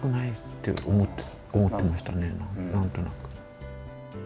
何となく。